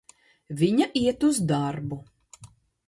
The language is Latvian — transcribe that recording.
Viņa iet uz darbu.